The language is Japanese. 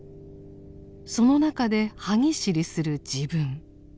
その中ではぎしりする自分。